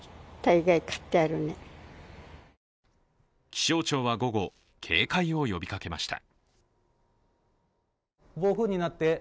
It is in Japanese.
気象庁は午後、警戒を呼びかけました。